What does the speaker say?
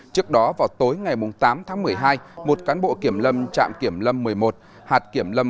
trước đó vào tối ngày tám tháng một mươi hai một cán bộ kiểm lâm trạm kiểm lâm một mươi một hạt kiểm lâm